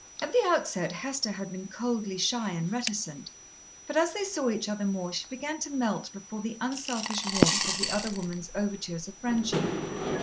At the outset Hester had been coldly shy and reticent, but as they saw each other more she began to melt before the unselfish warmth of the other woman's overtures of friendship.